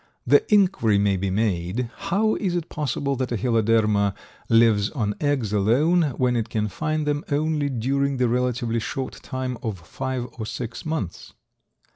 The inquiry may be made: How is it possible that a Heloderma lives on eggs alone when it can find them only during the relatively short time of five or six months?